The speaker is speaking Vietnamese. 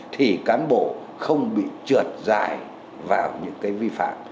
thì cán bộ không bị trượt dài vào những cái vi phạm